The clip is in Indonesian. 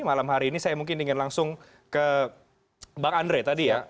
malam hari ini saya mungkin ingin langsung ke bang andre tadi ya